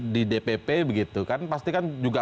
di dpp begitu kan pasti kan juga